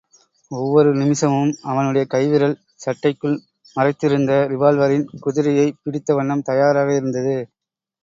ஒவ்வொரு நிமிஷமும் அவனுடைய கைவிரல் சட்டைக்குள் மறைத்திருந்த ரிவால்வரின் குதிரையைப் பிடித்த வண்ணம் தயாராக இருந்தது.